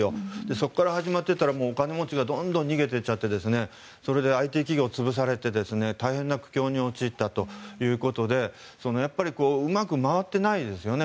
そこから始まっていったらお金持ちがどんどん逃げていってそれでＩＴ企業は潰されて大変な苦境に陥ったということでやっぱりうまく回っていないですよね。